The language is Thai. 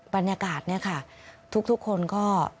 บรรยากาศเนี่ยค่ะทุกคนก็